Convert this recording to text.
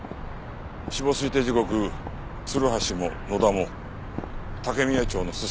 死亡推定時刻鶴橋も野田も竹宮町の寿司店にいた。